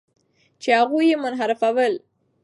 چې هغوی یې منحرفول.